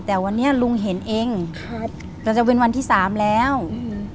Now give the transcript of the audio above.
แต่วันนี้ลุงเห็นเองครับเราจะเป็นวันที่สามแล้วอืม